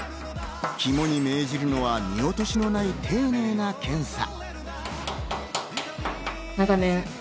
肝に命じるのは見落としのない丁寧な検査。